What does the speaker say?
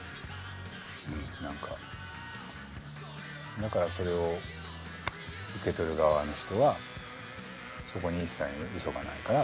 だからそれを受け取る側の人はそこに一切のうそがないから。